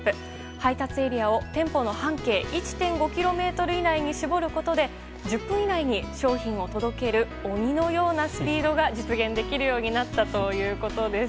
配達エリアを店舗の半径１．５ｋｍ以内に絞ることで１０分以内に商品を届ける鬼のようなスピードが実現できるようになったということです。